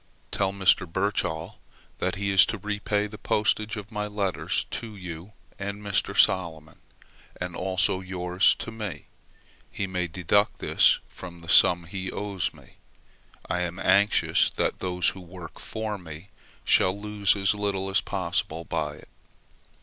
Tell Mr. Birchall that he is to repay the postage of my letters to you and Mr. Salomon, and also yours to me; he may deduct this from the sum he owes me; I am anxious that those who work for me should lose as little as possible by it.